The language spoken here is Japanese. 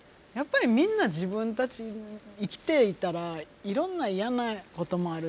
やっぱりみんな自分たち生きていたらいろんな嫌なこともあるし